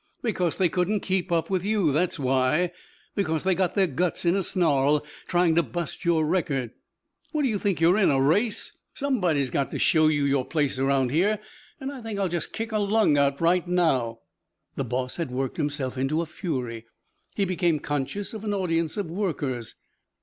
Because they couldn't keep up with you, that's why. Because they got their guts in a snarl trying to bust your record. What do you think you're in? A race? Somebody's got to show you your place around here and I think I'll just kick a lung out right now." The boss had worked himself into a fury. He became conscious of an audience of workers.